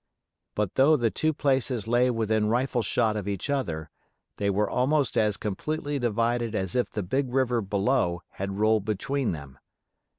But though the two places lay within rifle shot of each other, they were almost as completely divided as if the big river below had rolled between them.